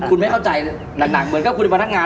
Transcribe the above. คุณไม่เข้าใจหนักเหมือนกับคุณเป็นพนักงาน